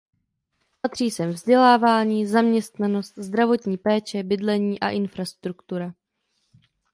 Patří sem vzdělávání, zaměstnanost, zdravotní péče, bydlení a infrastruktura.